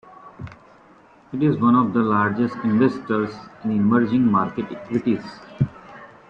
It is one of the largest investors in emerging market equities.